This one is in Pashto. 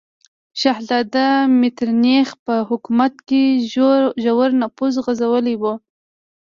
شهزاده میترنیخ په حکومت کې ژور نفوذ غځولی و.